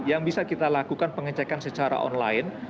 yang bisa kita lakukan pengecekan secara online